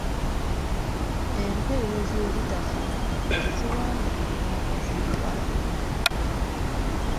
Empeerezi ezitafaanagana teziwandiikibwa nga ziriraanye.